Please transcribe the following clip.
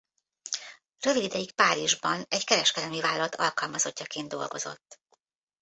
Rövid ideig Párizsban egy kereskedelmi vállalat alkalmazottjaként dolgozott.